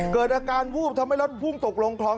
เกิดอาการวูบทำให้รถพุ่งตกลงคลอง